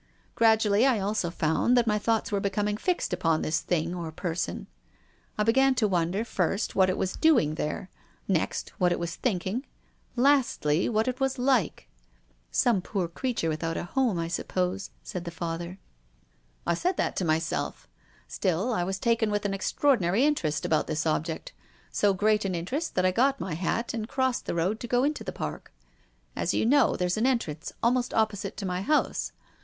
" Gradually, I also found that my thoughts were becoming fixed upon this thing or person. 1 began to wonder, first, what it was doing there; ne.xt,what it was thinking; lastly, what it was like." " Some poor creature without a home, I sup, pose," said the Father. 286 TONGUES OF CONSCIENCE. " I said that to myself. Still, I was taken with an extraordinary interest about this object, so great an interest that I got my hat and crossed the road to go into the Park. As you know, there's an entrance almost opposite to my house.